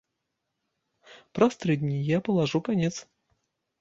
Праз тры дні я палажу канец.